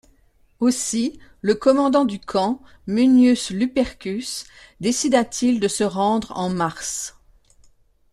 Aussi, le commandant du camp, Munius Lupercus, décida-t-il de se rendre en mars.